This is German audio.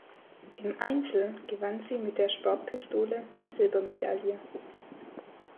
Im Einzel gewann sie mit der Sportpistole die Silbermedaille.